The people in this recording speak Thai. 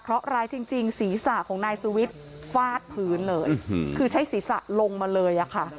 เพราะร้ายจริงศีรษะของนายสุวิทย์ฟาดพื้นเลยคือใช้ศีรษะลงมาเลยอะค่ะ